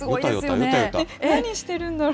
何してるんだろう？